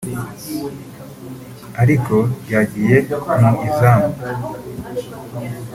ariko ryagiye mu izamu